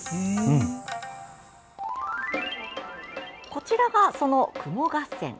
こちらがその、くも合戦。